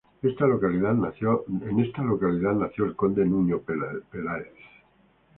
En esta localidad nació el conde Nuño Peláez.